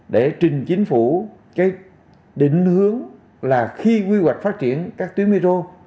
để trình chính phủ cái định hướng là khi quy hoạch phát triển các tuyến metro